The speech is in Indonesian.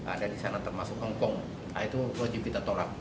ada di sana termasuk hongkong itu wajib kita tolak